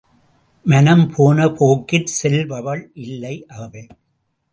மனம் போன போக்கிற் செல்பவள் இல்லை அவள்.